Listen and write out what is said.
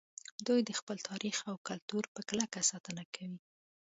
دوی د خپل تاریخ او کلتور په کلکه ساتنه کوي